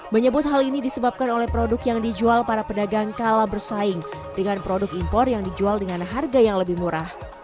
menyebut hal ini disebabkan oleh produk yang dijual para pedagang kalah bersaing dengan produk impor yang dijual dengan harga yang lebih murah